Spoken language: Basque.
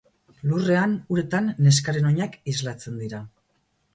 Lurrean, uretan, neskaren oinak islatzen dira.